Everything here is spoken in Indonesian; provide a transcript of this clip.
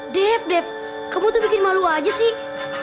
dev dev kamu tuh bikin malu aja sih